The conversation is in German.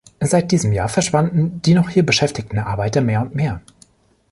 Seit diesem Jahr verschwanden die noch hier beschäftigten Arbeiter mehr und mehr.